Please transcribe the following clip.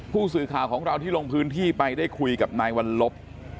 ผู้สื่อข่าวของเราที่ลงพื้นที่ไปได้คุยกับนายวัลลบ